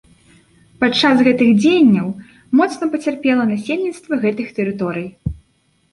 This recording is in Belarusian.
Падчас гэтых дзеянняў моцна пацярпела насельніцтва гэтых тэрыторый.